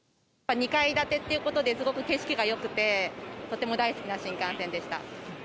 ２階建てということで、すごく景色がよくて、とても大好きな新幹線でした。